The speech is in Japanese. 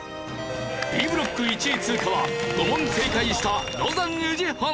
Ｂブロック１位通過は５問正解したロザン宇治原。